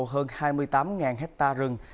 hơn hai mươi tám hectare rừng